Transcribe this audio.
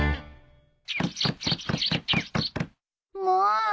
もう！